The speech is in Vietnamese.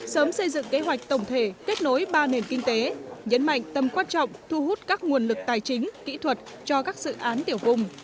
sớm xây dựng kế hoạch tổng thể kết nối ba nền kinh tế nhấn mạnh tâm quan trọng thu hút các nguồn lực tài chính kỹ thuật cho các dự án tiểu vùng